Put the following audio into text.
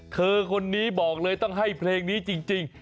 เธอคนนี้บอกเลยต้องให้เพลงนี้จริง